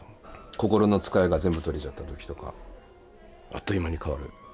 心のつかえが全部取れちゃった時とかあっという間に変わる。